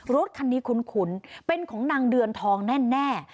รถคันนี้คุ้นเป็นของนางเดือนทองแน่